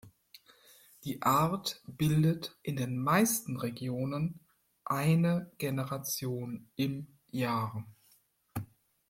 Die Art bildet in den meisten Regionen eine Generation im Jahr.